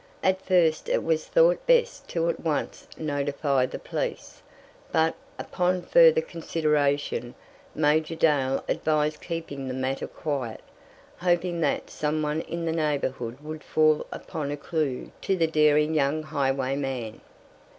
At first it was thought best to at once notify the police, but, upon further consideration, Major Dale advised keeping the matter quiet, hoping that some one in the neighborhood would fall upon a clue to the daring young highwayman.